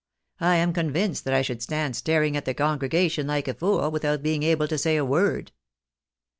I am convinced that I should stand staring at the congregation like a fool, without being able to say a word."